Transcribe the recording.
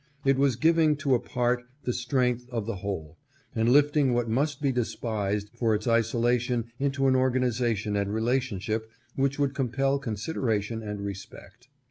It was giving to a part the strength of the whole, and lifting what must be despised for its isolation into an organization and relationship which would compel consideration and respect.